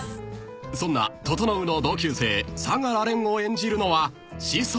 ［そんな整の同級生相良レンを演じるのは］